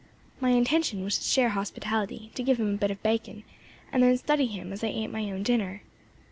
My intention was to share hospitality; to give him a bit of bacon, and then study him as I ate my own dinner.